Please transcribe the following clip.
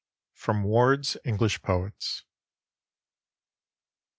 From 'Ward's English Poets.'